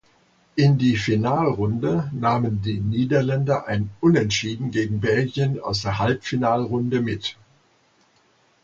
In die Finalrunde nahmen die Niederländer ein Unentschieden gegen Belgien aus der Halbfinalrunde mit.